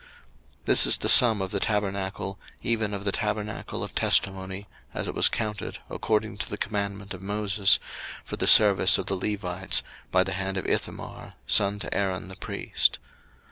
02:038:021 This is the sum of the tabernacle, even of the tabernacle of testimony, as it was counted, according to the commandment of Moses, for the service of the Levites, by the hand of Ithamar, son to Aaron the priest.